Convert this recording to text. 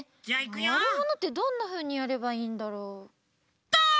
ワルモノってどんなふうにやればいいんだろう。